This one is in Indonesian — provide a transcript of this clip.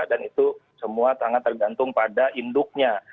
dan itu semua sangat tergantung pada induknya